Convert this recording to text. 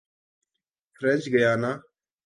French Guiana